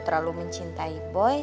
terlalu mencintai boy